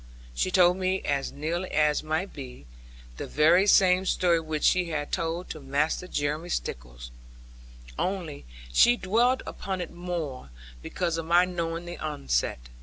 She told me (as nearly as might be) the very same story which she had told to Master Jeremy Stickles; only she dwelled upon it more, because of my knowing the outset.